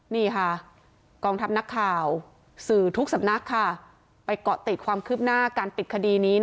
นี่ค่ะกองทัพนักข่าวสื่อทุกสำนักค่ะไปเกาะติดความคืบหน้าการปิดคดีนี้